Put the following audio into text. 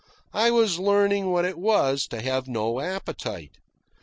I was learning what it was to have no appetite.